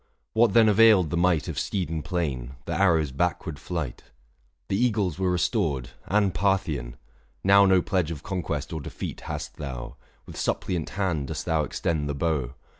What then availed the might Of steed and plain, the arrows' backward flight ? 670 The eagles were restored : and Parthian ! now No pledge of conquest or defeat hast thou ; With suppliant hand dost thou extend the bow.